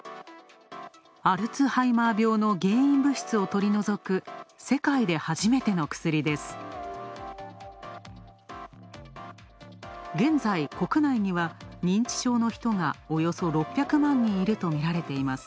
アルツハイマー病の原因物質を取り除く世界で初めての薬です。